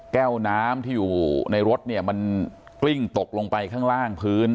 แก้วน้ำที่อยู่ในรถเนี่ยมันกลิ้งตกลงไปข้างล่างพื้น